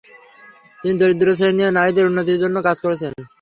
তিনি দরিদ্র শ্রেণী ও নারীদের উন্নতির জন্য কাজ করেছেন।